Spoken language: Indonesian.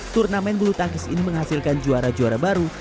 turnamen bulutangkis ini menghasilkan juara juara baru